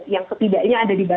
yang setidaknya ada